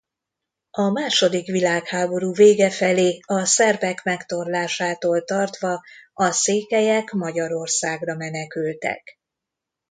A második világháború vége felé a szerbek megtorlásától tartva a székelyek Magyarországra menekültek.